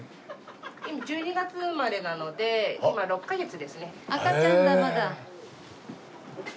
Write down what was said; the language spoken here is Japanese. １２月生まれなので今６カ月ですね。